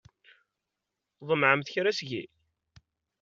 Tḍemɛemt kra seg-i?